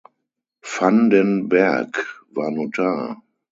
Van den Bergh war Notar.